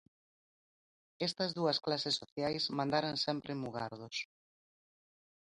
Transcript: Estas dúas clases sociais mandaran sempre en Mugardos.